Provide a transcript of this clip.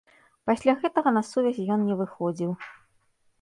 Пасля гэтага на сувязь ён не выходзіў.